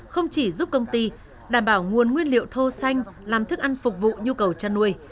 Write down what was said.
không chỉ giúp công ty đảm bảo nguồn nguyên liệu thô xanh làm thức ăn phục vụ nhu cầu chăn nuôi